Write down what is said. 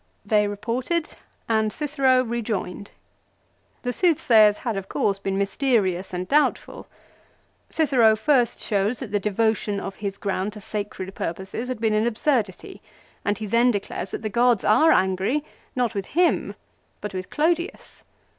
They reported and Cicero rejoined. The soothsayers had of course been mysterious and doubt ful. Cicero first shows that the devotion of his ground to sacred purposes had been an absurdity, and then he declares that the gods are angry, not with him, but with Clodius.